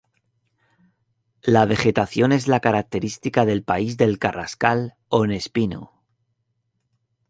La vegetación es la característica del país del carrascal on espino.